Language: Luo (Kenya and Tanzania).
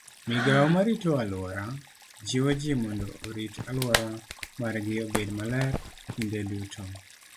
Migao marito aluora jiwo ji mondo orit alwora margi obed maler kinde duto.